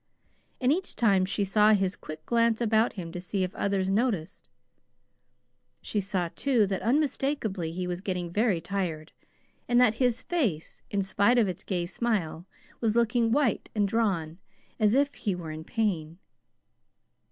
And each time she saw his quick glance about him to see if others noticed. She saw, too, that unmistakably he was getting very tired, and that his face, in spite of its gay smile, was looking white and drawn, as if he were in pain.